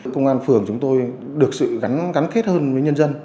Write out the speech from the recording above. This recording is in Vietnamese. công an phường chúng tôi được sự gắn kết hơn với nhân dân